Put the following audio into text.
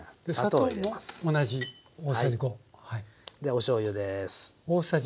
おしょうゆです。